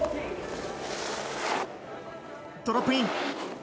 ドロップイン。